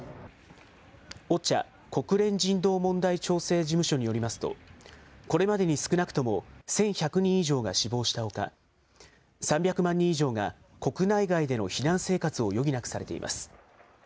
ＯＣＨＡ・国連人道問題調整事務所によりますと、これまでに少なくとも１１００人以上が死亡したほか、３００万人以上が国内外での避難生活を余儀なくされています。